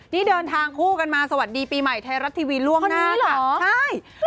นี่เดินทางคู่กันมาสวัสดีปีใหม่ไทยรัฐทีวีร่วงหน้าค่ะเพราะนี้เหรอ